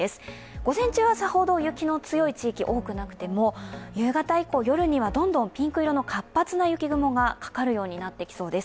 午前中はさほど雪の強い地域、多くなくても夕方以降、夜にはどんどんピンク色の活発な雪雲がかかる予想です。